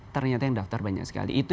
ternyata yang daftar banyak sekali